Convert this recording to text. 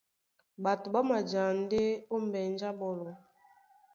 Ɓato ɓá maja ndé ó mbenju a ɓɔ́lɔ.